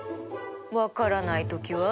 分からない時は？